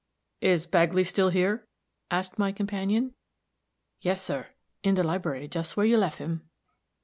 "Is Bagley still here?" asked my companion. "Yes, sir. In de library, jus' where you lef' him."